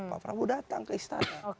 pak prabowo datang ke istana